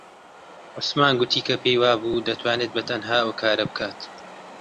عوسمان گوتی کە پێی وابوو دەتوانێت بەتەنها ئەو کارە بکات.